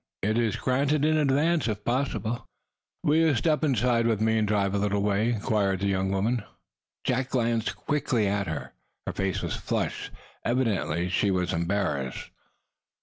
"It is granted in advance, if possible." "Will you step inside with me, and drive a little way?" inquired the young woman. Jack glanced quickly at her. Her face was flushed; evidently she was embarrassed.